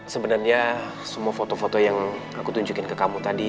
sebenarnya semua foto foto yang aku tunjukin ke kamu tadi